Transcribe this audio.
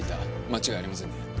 間違いありませんね？